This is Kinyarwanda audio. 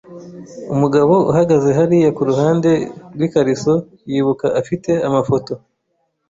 Umugabo uhagaze hariya kuruhande rwikariso yibuka afite amafoto.